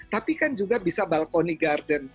tapi kan juga bisa balconi garden